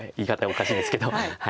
おかしいですけど。